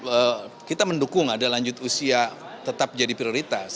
ya kita mendukung ada lanjut usia tetap jadi prioritas